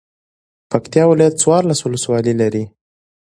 پکتيا ولايت څوارلس ولسوالۍ لری.